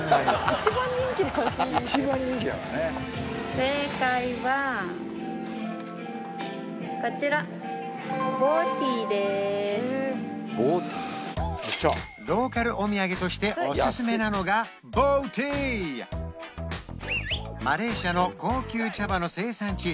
一番人気ではない正解はこちらローカルお土産としておすすめなのがボーティーマレーシアの高級茶葉の生産地